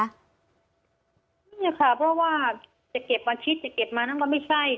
นี่ค่ะเพราะว่าจะเก็บอาทิตย์จะเก็บมานั้นก็ไม่ใช่